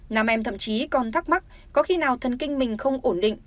nam em thậm chí còn thắc mắc có khi nào thần kinh mình không ổn định